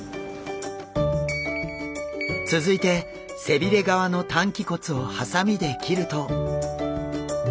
続いて背びれ側の担鰭骨をハサミで切ると。